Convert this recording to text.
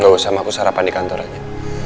gak usah sama aku sarapan di kantor aja